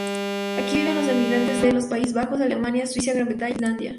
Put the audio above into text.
Aquí viven los inmigrantes de los Países Bajos, Alemania, Suiza, Gran Bretaña y Finlandia.